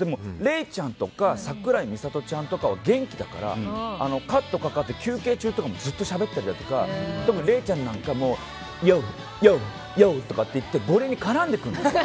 でも礼ちゃんとか桜井美里ちゃんとかは元気だからカットかかって休憩中とかとかもずっとしゃべってたりとか礼ちゃんとかは、よう！とかってゴリエに絡んでくるの。